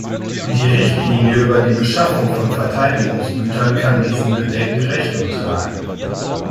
Die Richtlinie über die Beschaffung von Verteidigungsgütern kann diesen Bedenken Rechnung tragen.